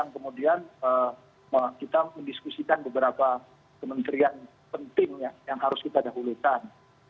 kemudian kita mendiskusikan beberapa kementerian penting yang harus kita dahulukan